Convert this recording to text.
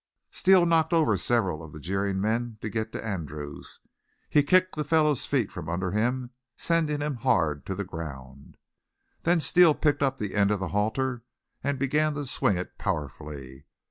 Steele knocked over several of the jeering men to get to Andrews. He kicked the fellow's feet from under him, sending him hard to the ground. Then Steele picked up the end of the halter and began to swing it powerfully.